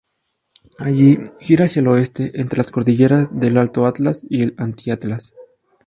Allí gira hacia el oeste, entre las cordilleras del Alto Atlas y el Anti-Atlas.